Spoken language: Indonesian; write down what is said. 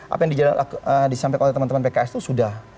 apa yang disampaikan oleh teman teman pks itu sudah